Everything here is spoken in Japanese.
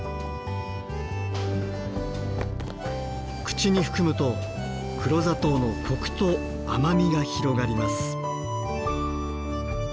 口に含むと黒砂糖のコクと甘みが広がります。